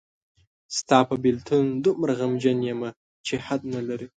ستا په بېلتون دومره غمجن یمه چې حد نلري